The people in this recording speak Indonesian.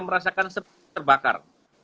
merasakan seperti terbakar